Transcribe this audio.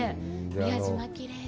宮島、きれいで。